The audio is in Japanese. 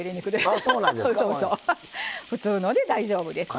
普通ので大丈夫です。